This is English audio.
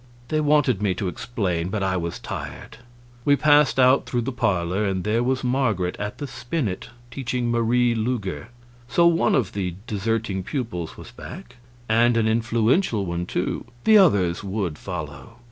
They wanted me to explain, but I was tired. We passed out through the parlor, and there was Marget at the spinnet teaching Marie Lueger. So one of the deserting pupils was back; and an influential one, too; the others would follow.